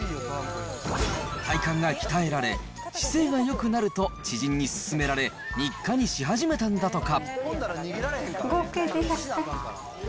体幹が鍛えられ、姿勢がよくなると知人に勧められ、日課にし始めたんだとか。